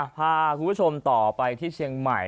พาคุณผู้ชมต่อไปที่เชียงใหม่